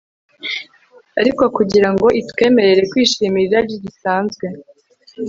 Ariko kugira ngo itwemerere kwishimira irari risanzwe